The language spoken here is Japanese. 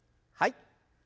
はい。